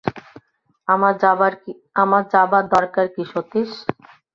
আমার যাবার দরকার কী সতীশ।